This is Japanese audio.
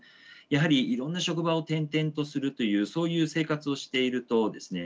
やはりいろんな職場を転々とするというそういう生活をしているとですね